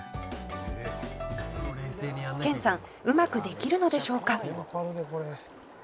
「研さんうまくできるのでしょうか」